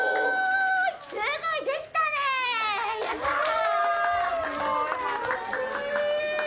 すごーい！